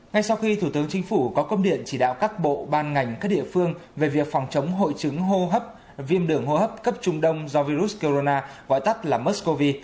ngay sau khi thủ tướng chính phủ có công điện chỉ đạo các bộ ban ngành các địa phương về việc phòng chống hội chứng hô hấp viêm đường hô hấp cấp trung đông do virus corona gọi tắt là muscov